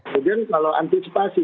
kemudian kalau antisipasi